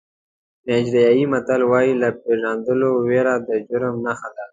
نایجیریایي متل وایي له پېژندلو وېره د جرم نښه ده.